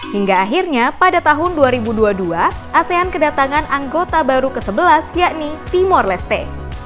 hingga akhirnya pada tahun dua ribu dua puluh dua asean kedatangan anggota baru ke sebelas yakni timor leste